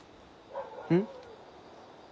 うん？